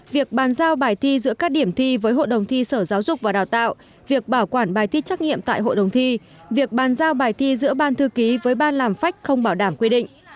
việc bàn giao bài thi giữa các điểm thi với hội đồng thi sở giáo dục và đào tạo việc bảo quản bài thi trắc nghiệm tại hội đồng thi việc bàn giao bài thi giữa ban thư ký với ban làm phách không bảo đảm quy định